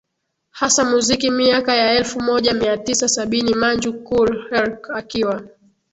hasa muziki Miaka ya elfu moja mia tisa sabini manju Kool Herc akiwa